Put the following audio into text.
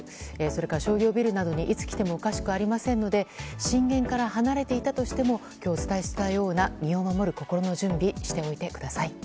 それから商業ビルなどにいつ来てもおかしくありませんので震源から離れていたとしても今日お伝えしたような身を守る心の準備をしておいてください。